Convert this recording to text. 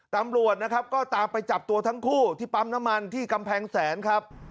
ตำรวจนะครับก็ตามไปจับตัวทั้งคู่ที่ปั๊มน้ำมันที่กำแพงแสนครับ